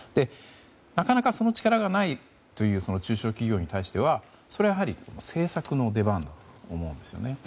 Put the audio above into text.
なかなか、その力がない中小企業に対してはそれはやはり政策の出番だと思うんですね。